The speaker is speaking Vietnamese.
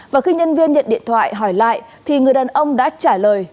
và khi nhân viên nhận điện thoại hỏi lại thì người đàn ông đã trả lời